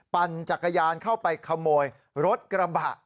ปั่นจักรยานเข้าไปขโมยรถกระบะ